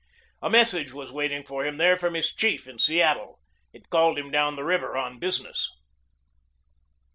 A message was waiting for him there from his chief in Seattle. It called him down the river on business.